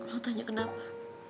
lu tanya kenapa